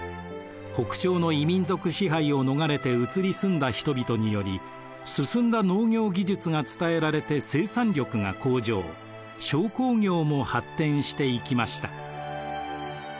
北朝の異民族支配を逃れて移り住んだ人々により進んだ農業技術が伝えられて生産力が向上商工業も発展していきました。